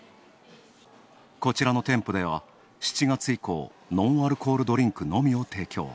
こちらの店舗では７月以降、ノンアルコールドリンクのみを提供。